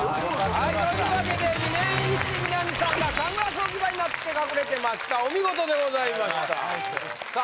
はいというわけで峯岸みなみさんがサングラス置き場になって隠れてましたお見事でございましたさあ